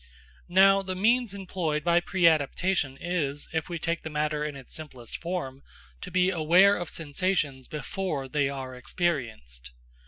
Now, the means employed by preadaptation is, if we take the matter in its simplest form, to be aware of sensations before they are experienced.